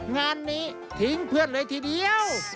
งานนี้ทิ้งเพื่อนเลยทีเดียว